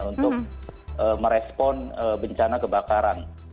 untuk merespon bencana kebakaran